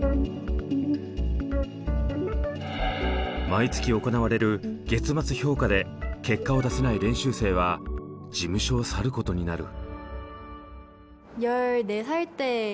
毎月行われる「月末評価」で結果を出せない練習生は事務所を去ることになる。